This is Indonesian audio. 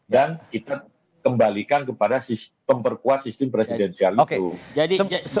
dan kita kembalikan kepada pemperkuat sistem presidensial itu